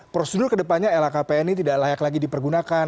prosedur kedepannya lhkpn ini tidak layak lagi dipergunakan